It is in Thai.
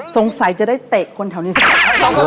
สงสัยจะได้เตะคนแถวนี้สิ